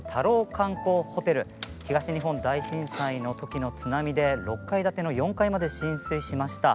観光ホテル東日本大震災の時の津波で６階建ての４階まで浸水しました。